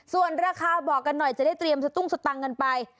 ส่วนราคาบอกกันหน่อยจะได้เตรียมสตุ้งสตังค์กันไป